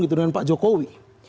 gitu dengan pak jokowi